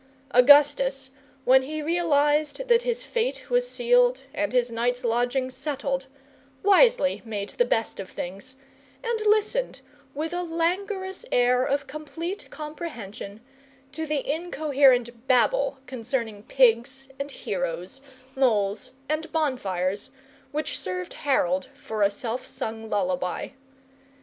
Augustus, when he realized that his fate was sealed, and his night's lodging settled, wisely made the best of things, and listened, with a languorous air of complete comprehension, to the incoherent babble concerning pigs and heroes, moles and bonfires, which served Harold for a self sung lullaby.